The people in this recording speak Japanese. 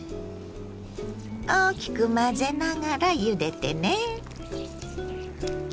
大きく混ぜながらゆでてね。